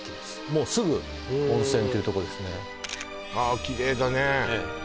もうすぐ温泉っていうとこですねああキレイだね